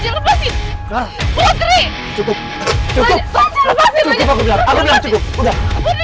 cukup raja enggak putri cukup cukup cukup